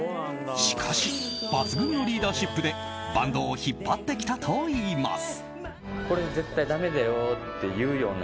しかし、抜群のリーダーシップでバンドを引っ張ってきたといいます。